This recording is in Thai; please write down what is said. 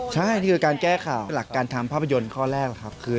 ใช่นี่คือการแก้ข่าวหลักการทำภาพยนตร์ข้อแรกครับ